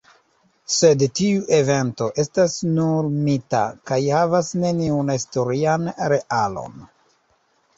Sed tiu evento estas nur mita, kaj havas neniun historian realon.